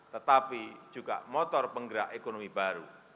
tetapi juga motor penggerak ekonomi baru